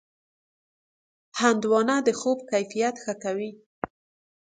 هندوانه د خوب کیفیت ښه کوي.